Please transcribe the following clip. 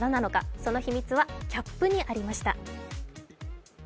その秘密はキャップにありました。